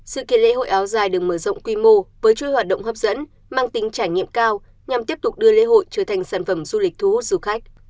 sự kiện lễ hội áo dài được mở rộng quy mô với chuỗi hoạt động hấp dẫn mang tính trải nghiệm cao nhằm tiếp tục đưa lễ hội trở thành sản phẩm du lịch thu hút du khách